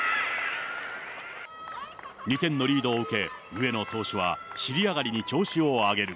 ２点のリードを受け、上野投手は、尻上がりに調子を上げる。